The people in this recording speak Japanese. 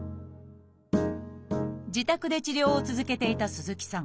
自宅で治療を続けていた鈴木さん。